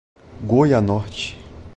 Goianorte